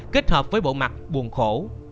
kết hợp với bộ mặt buồn khổ